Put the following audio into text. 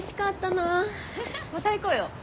また行こうよ。